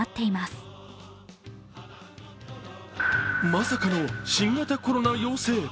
まさかの新型コロナ陽性。